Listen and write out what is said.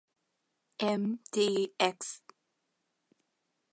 เอ็ม ดี เอ็กซ์